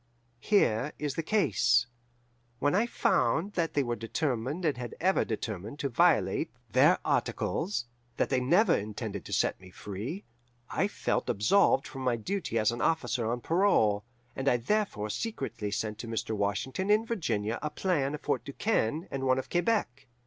"Here is the case. When I found that they were determined and had ever determined to violate their articles, that they never intended to set me free, I felt absolved from my duty as an officer on parole, and I therefore secretly sent to Mr. Washington in Virginia a plan of Fort Du Quesne and one of Quebec.